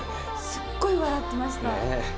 すっごい笑ってました。